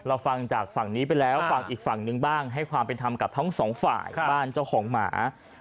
ฟังจากฝั่งนี้ไปแล้วฝั่งอีกฝั่งหนึ่งบ้างให้ความเป็นธรรมกับทั้งสองฝ่ายบ้านเจ้าของหมา